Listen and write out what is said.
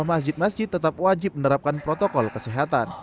masjid masjid tetap wajib menerapkan protokol kesehatan